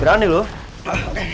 ada paham lah